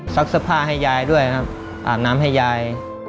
ซักสภาพให้ยายด้วยครับอาบน้ำให้ยาย